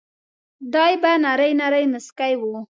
دای به نری نری مسکی و.